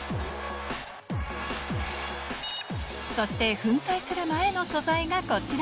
そして粉砕する前の素材がこちら